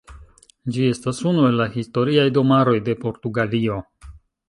Ĝi estas unu el la Historiaj Domaroj de Portugalio.